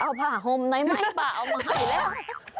เอาผ่าฮ่อมในไม่ป่าเอามาให้แล้ว